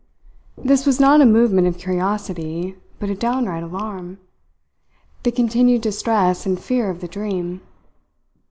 This was not a movement of curiosity, but of downright alarm the continued distress and fear of the dream.